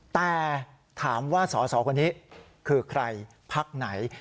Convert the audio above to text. แต่ถามว่าสอสอคนนี้คือใครพักไหน